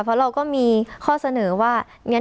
เพราะเราก็มีข้อเสนอว่า